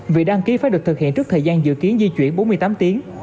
việc đăng ký phải được thực hiện trước thời gian dự kiến di chuyển bốn mươi tám tiếng